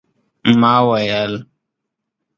ما ویل